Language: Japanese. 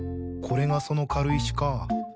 これがその軽石か。